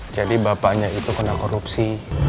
jadi bapaknya itu kena korupsi